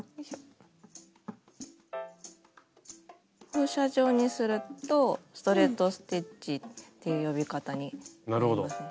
放射状にするとストレート・ステッチっていう呼び方になりますね。